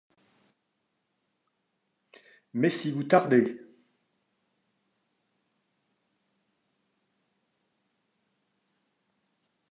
Mais si vous tardez ?…